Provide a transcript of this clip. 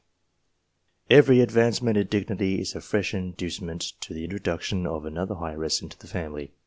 K2 132 ENGLISH PEERAGES, Every advancement in dignity is a fresh inducement to the introduction of another heiress into the family.